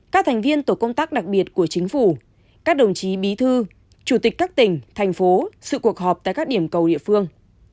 các thành viên tổ công tác đặc biệt của chính phủ các đồng chí bí thư chủ tịch các tỉnh thành phố sự cuộc họp tại các điểm cầu địa phương